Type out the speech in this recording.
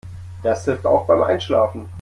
Das hilft auch beim Einschlafen.